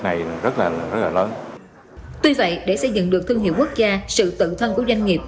này rất là rất là lớn tuy vậy để xây dựng được thương hiệu quốc gia sự tự thân của doanh nghiệp